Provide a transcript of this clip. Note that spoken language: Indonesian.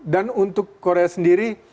dan untuk korea sendiri